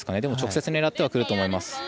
でも直接狙ってはくると思います。